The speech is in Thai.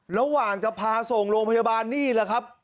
ระหว่างจะพาส่งโรงพยาบาลนี่แหละครับ